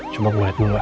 coba gue liat dulu lah